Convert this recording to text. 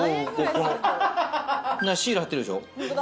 シール貼ってるでしょ？